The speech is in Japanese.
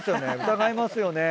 疑いますよね。